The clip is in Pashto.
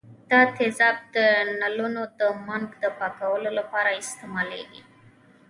دا تیزاب د نلونو د منګ د پاکولو لپاره استعمالیږي.